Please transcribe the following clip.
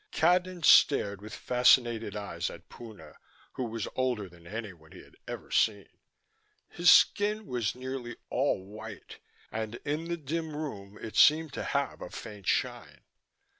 Cadnan stared with fascinated eyes at Puna, who was older than anyone he had ever seen. His skin was nearly all white, and in the dim room it seemed to have a faint shine.